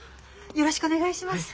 よろしくお願いします。